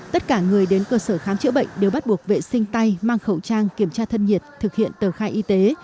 tất cả người đến cơ sở khám chữa bệnh đều bắt buộc vệ sinh tay mang khẩu trang kiểm tra thân nhiệt thực hiện tờ khai y tế